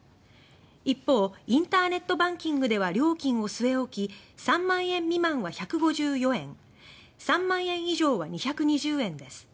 一方インターネットバンキングでは価格を据え置き３万円未満は１５４円３万円以上は２２０円です。